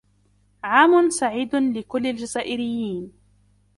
عام سعيد لكل الجزائريين.